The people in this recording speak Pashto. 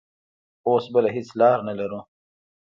اوس بله هېڅ لار نه لرو.